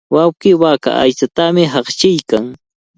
Wawqii waaka aychatami haqchiykan.